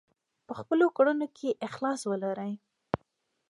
په خپلو کړنو کې اخلاص ولرئ.